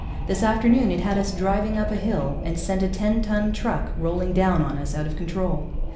This afternoon it had us driving up a hill, and sent a ten ton truck rolling down on us out of control.